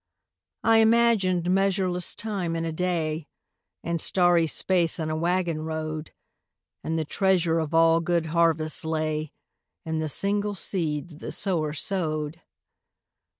I imagined measureless time in a day, And starry space in a waggon road, And the treasure of all good harvests lay In the single seed that the sower sowed.